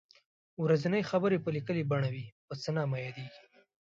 ورځنۍ خبرې په لیکنۍ بڼه وي په څه نامه یادیږي.